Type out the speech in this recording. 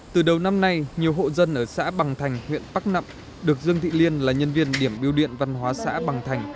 từ đầu năm nay nhiều hộ dân ở xã bằng thành huyện bắc nẵm được dương thị liên là nhân viên điểm biêu điện văn hóa xã bằng thành